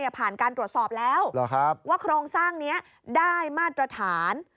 ผ่านการตรวจสอบแล้วว่าโครงสร้างนี้ได้มาตรฐาน